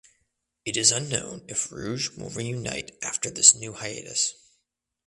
It is unknown if Rouge will reunite after this new hiatus.